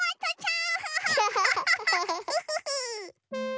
ウフフフ！